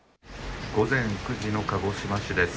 午前９時の鹿児島市です。